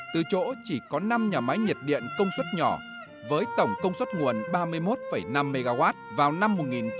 từ chỗ chỉ có năm nhà máy nhiệt điện công suất nhỏ với tổng công suất nguồn ba mươi một năm mw vào năm một nghìn chín trăm bảy mươi